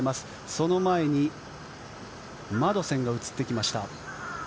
その前にマドセンが映ってきました。